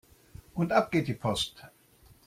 Und ab geht die Post!